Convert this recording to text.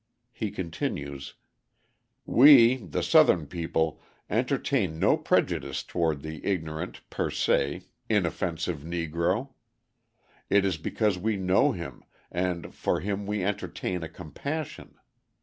He continues: We, the Southern people, entertain no prejudice toward the ignorant per se inoffensive Negro. It is because we know him and for him we entertain a compassion.